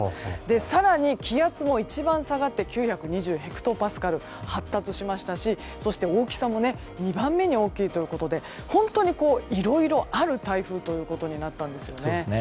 更に、気圧も一番下がって９２０ヘクトパスカルと発達しましたし、大きさも２番目に大きいということで本当にいろいろある台風ということになったんですよね。